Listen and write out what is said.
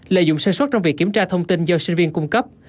lợi dụng sơ suất trong việc kiểm tra thông tin do sinh viên cung cấp